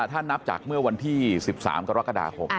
ถ้านับจากเมื่อวันที่๑๓กรกฎาคม